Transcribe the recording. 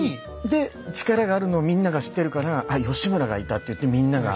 で力があるのをみんなが知ってるからあ義村がいたっていってみんなが。